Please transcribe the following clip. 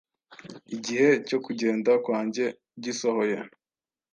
igihe cyo kugenda kwanjye gisohoye.